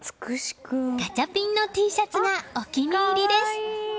ガチャピンのＴシャツがお気に入りです。